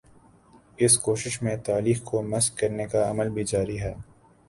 اس کوشش میں تاریخ کو مسخ کرنے کا عمل بھی جاری ہے۔